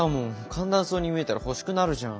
簡単そうに見えたら欲しくなるじゃん。